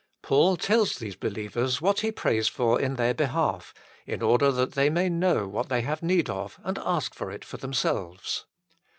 Paul tells these believers what he prays for in their behalf, in order that they may know what they have need of and ask for it for themselves.